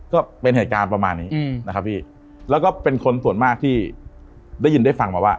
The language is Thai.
ก็เป็นเหตุการณ์ประมาณนี้อืมนะครับพี่แล้วก็เป็นคนส่วนมากที่ได้ยินได้ฟังมาว่า